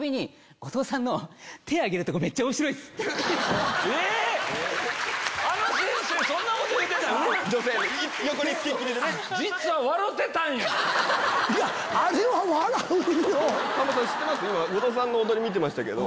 後藤さんの踊り見てたけど。